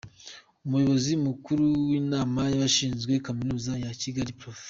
Umuyobozi Mukuru w’Inama y’Abashinze Kaminuza ya Kigali, Prof.